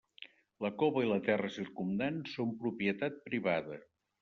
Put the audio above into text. La cova i la terra circumdant són propietat privada.